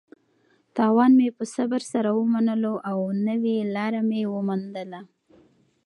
تاوان مې په صبر سره ومنلو او نوې لاره مې وموندله.